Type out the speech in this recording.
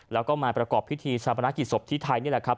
แล้วก็มาประกอบพิธีชาปนกิจศพที่ไทยนี่แหละครับ